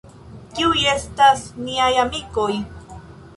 Kiuj estas niaj amikoj?